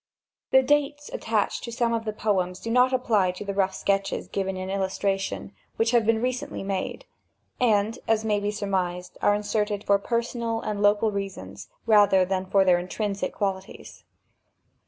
The dates attached to some of the poems do not apply to the rough sketches given in illustration, which have been recently made, and, as may be surmised, are inserted for personal and local reasons rather than for their intrinsic qualities.